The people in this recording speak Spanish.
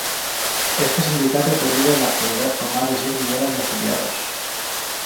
Este sindicato pervive en la actualidad con más de seis millones de afiliados.